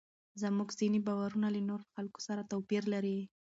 زموږ ځینې باورونه له نورو خلکو سره توپیر لري.